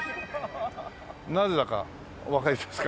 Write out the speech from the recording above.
なぜだかおわかりですか？